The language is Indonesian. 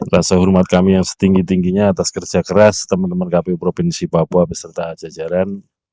rasa hormat kami yang setinggi tingginya atas kerja keras teman teman kpu provinsi papua beserta jajaran